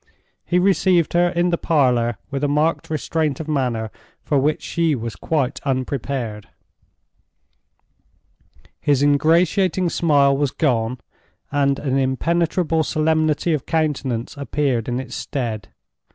He received her in the parlor with a marked restraint of manner for which she was quite unprepared. His ingratiating smile was gone, and an impenetrable solemnity of countenance appeared in its stead.